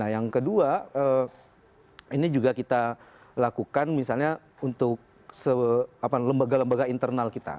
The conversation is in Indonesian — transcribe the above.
yang kedua ini juga kita lakukan misalnya untuk lembaga lembaga internal kita